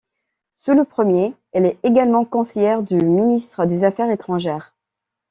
Sous le premier, elle est également conseillère du ministre des Affaires étrangères.